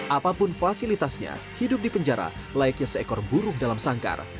apapun fasilitasnya hidup di penjara layaknya seekor burung dalam sangkar